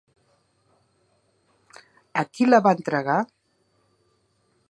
A qui la va entregar?